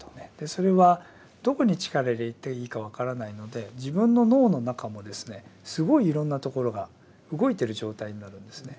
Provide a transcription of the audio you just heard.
それはどこに力入れていいか分からないので自分の脳の中もですねすごいいろんなところが動いてる状態になるんですね。